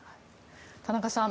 田中さん